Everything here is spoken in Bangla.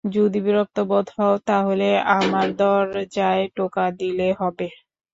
যদি বিরক্তবোধ হও তাহলে আমার দরজায় টোকা দিলে হবে।